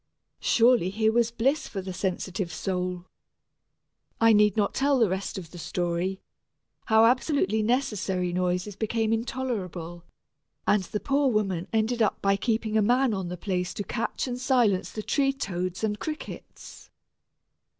Surely here was bliss for the sensitive soul. I need not tell the rest of the story, how absolutely necessary noises became intolerable, and the poor woman ended by keeping a man on the place to catch and silence the tree toads and crickets.